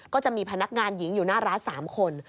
ก็จะมีพนักงานหญิงอยู่หน้าร้าน๓คน